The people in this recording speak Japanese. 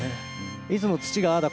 いつも土がああだ